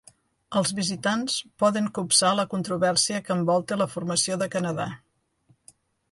Els visitants poden copsar la controvèrsia que envolta la formació de Canadà.